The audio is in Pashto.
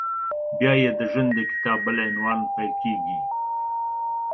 بیا یې د ژوند د کتاب بل عنوان پیل کېږي…